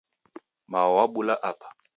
Mao wabula apa